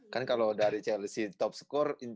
kan kalau dari chelsea topscore